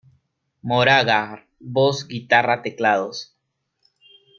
Moraga: Voz, Guitarra, teclados